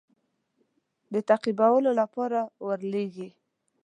د تعقیبولو لپاره ولېږي.